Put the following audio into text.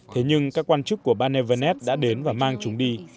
thế nhưng các quan chức của ban evernest đã đến và mang chúng đi